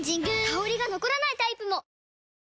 香りが残らないタイプも！